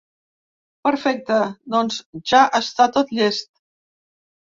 Perfecte, doncs ja està tot llest.